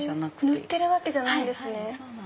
塗ってるわけじゃないんですね。